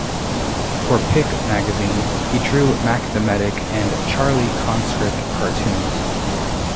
For "Pic" magazine, he drew "Mac the Medic" and "Charlie Conscript" cartoons.